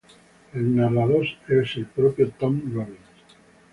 El narrador es el propio Tom Robbins.